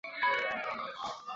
凯特回答只是望住他而已。